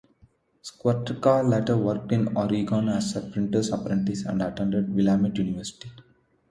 Schwatka later worked in Oregon as a printer's apprentice and attended Willamette University.